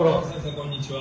こんにちは。